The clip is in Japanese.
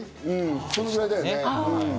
それぐらいだよね。